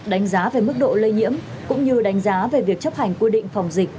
đánh giá về mức độ lây nhiễm cũng như đánh giá về việc chấp hành quy định phòng dịch